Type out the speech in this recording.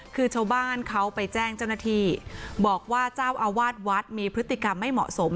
คือชาวบ้านเขาไปแจ้งเจ้าหน้าที่บอกว่าเจ้าอาวาสวัดมีพฤติกรรมไม่เหมาะสม